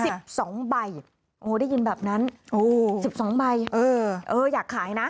สิบสองใบโอ้โฮได้ยินแบบนั้นสิบสองใบอยากขายนะ